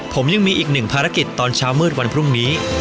ผมยังมีอีกหนึ่งภารกิจตอนเช้ามืดวันพรุ่งนี้